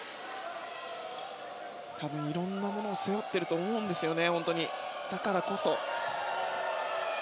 ただ、いろんなものを背負っていると思うんですね。